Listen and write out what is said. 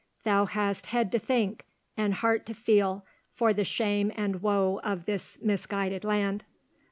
Thou hast head to think and heart to feel for the shame and woe of this misguided land."